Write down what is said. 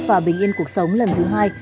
và bình yên cuộc sống lần thứ hai